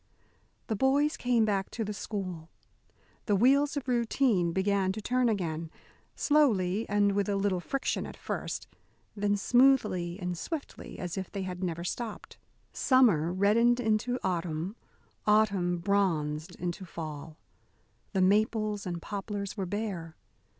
The boys came back to the school. The wheels of routine began to turn again, slowly and with a little friction at first, then smoothly and swiftly as if they had never stopped. Summer reddened into autumn; autumn bronzed into fall. The maples and poplars were bare.